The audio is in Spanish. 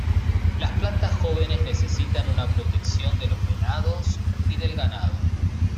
Las plantas jóvenes necesitan una protección de los venados y del ganado.